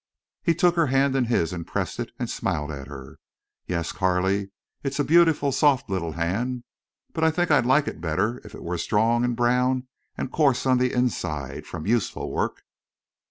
He took her hand in his and pressed it, and smiled at her. "Yes, Carley, it's a beautiful, soft little hand. But I think I'd like it better if it were strong and brown, and coarse on the inside—from useful work."